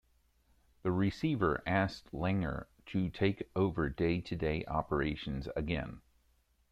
The receiver asked Langer to take over day-to-day operations again.